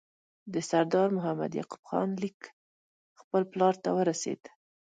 د سردار محمد یعقوب خان لیک خپل پلار ته ورسېد.